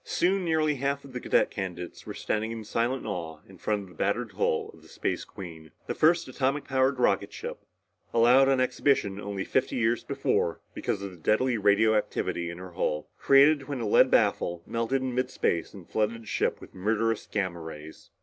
Soon nearly half of the cadet candidates were standing in silent awe in front of the battered hull of the Space Queen, the first atomic powered rocket ship allowed on exhibition only fifty years before because of the deadly radioactivity in her hull, created when a lead baffle melted in midspace and flooded the ship with murderous gamma rays.